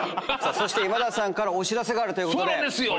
そして今田さんからお知らせがあるということで。